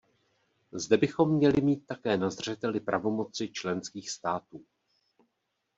Zde bychom měli mít také na zřeteli pravomoci členských států.